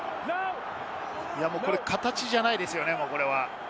形じゃないですよ、これは。